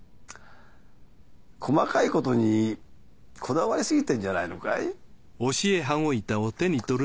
細かいことにこだわりすぎてんじゃないのかい？